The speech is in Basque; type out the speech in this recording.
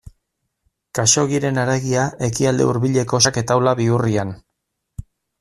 Khaxoggiren haragia Ekialde Hurbileko xake taula bihurrian.